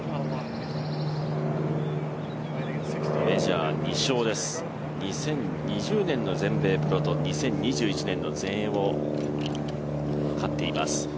メジャー２勝です、２０２０年の全米プロと、２０２１年の全英を勝っています。